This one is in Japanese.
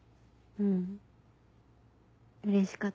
うん。